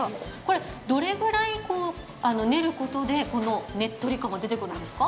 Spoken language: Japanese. どれぐらい練ることでこのねっとり感が出てくるんですか？